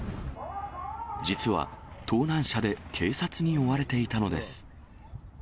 実は、盗難車で警察に追われていたのです。